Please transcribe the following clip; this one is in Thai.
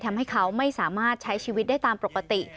ทำให้เขาไม่สามารถใช้ชีวิตได้ตามปกติ